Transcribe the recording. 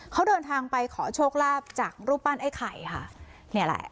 เขาเดินทางไปขอโชคลาภจากรูปปั้นไอ้ไข่ค่ะเนี่ยแหละ